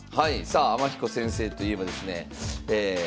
さあ天彦先生といえばですね